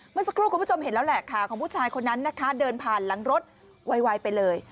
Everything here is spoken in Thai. เมื่อสักครู่คุณผู้ชมเห็นแล้วแหละค่ะของผู้ชายคนนั้นนะคะเดินผ่านหลังรถไวไปเลย